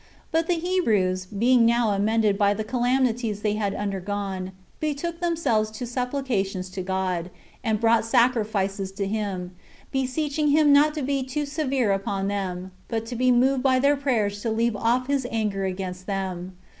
But the Hebrews, being now amended by the calamities they had undergone, betook themselves to supplications to God; and brought sacrifices to him, beseeching him not to be too severe upon them, but to be moved by their prayers to leave off his anger against them.